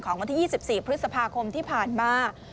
วันที่๒๔พฤษภาคมที่ผ่านมา